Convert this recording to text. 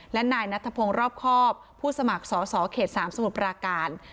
และนายนัทพงศ์รอบครอบผู้สมัครสอสอเขต๓สมุทรปราการ